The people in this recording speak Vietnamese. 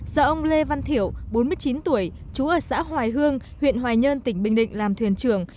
do ông lê văn thiểu bốn mươi chín tuổi chú ở xã hoài hương huyện hoài nhơn tỉnh bình định làm thuyền trưởng